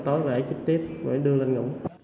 tối về chích tiếp rồi đưa lên ngủ